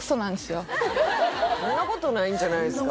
そんなことないんじゃないですか